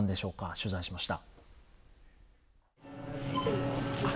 取材しました。